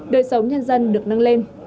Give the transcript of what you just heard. đời sống nhân dân được nâng lên